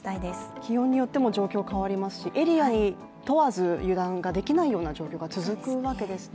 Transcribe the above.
気温によっても状況変わりますし、エリアに問わず油断ができないような状況が続くわけですね。